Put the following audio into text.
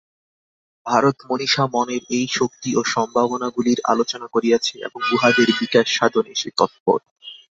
ভারত-মনীষা মনের এই শক্তি ও সম্ভাবনাগুলির আলোচনা করিয়াছে এবং উহাদের বিকাশসাধনে সে তৎপর।